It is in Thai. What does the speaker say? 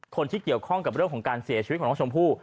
คนที่เกี่ยวข้องกับเรื่องของการเสียชีวิตของน้องชมพู่